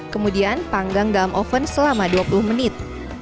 kemudian panggang dalam oven selama dua puluh menit